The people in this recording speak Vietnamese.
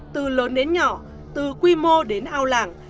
từ lớn đến nhỏ từ quy mô đến ao làng